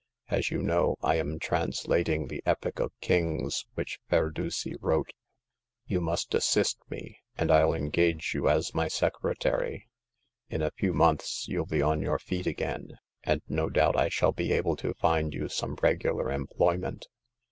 "As you know , I ^m \\^\v.^\^\^^ ^^ic«k 266 Hagar of the Pawn Shop. Epic of Kings which Ferdusi wrote. You must assist me, and FU engage you as my secretary. In a few months you'll be on your feet again, and no doubt I shall be able to find you some regular employment.